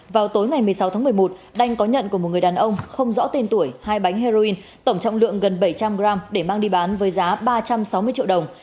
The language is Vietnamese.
vào tối ngày một mươi sáu tháng một mươi một đanh có nhận của một người đàn ông không rõ tên tuổi hai bánh heroin tổng trọng lượng gần bảy trăm linh g để mang đi bán với giá ba trăm sáu mươi triệu đồng